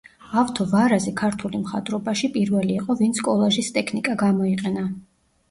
ავთო ვარაზი ქართული მხატვრობაში პირველი იყო ვინც კოლაჟის ტექნიკა გამოიყენა.